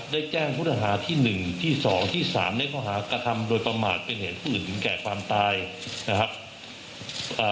ได้แจ้งพุทธภาพที่๑ที่๒ที่๓ในข้อหากธรรมโดยประมาทเป็นเหตุผู้อื่นถึงแก่ความตายนะครับ